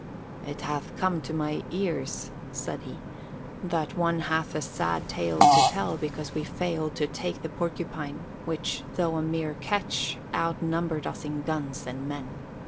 "It hath come to my ears," said he, "that one hath a sad tale to tell because we failed to take the Porcupine, which, though a mere ketch, outnumbered us in guns and men.